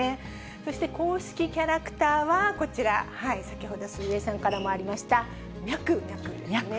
そして公式キャラクターはこちら、先ほど鈴江さんからもありました、ミャクミャクですね。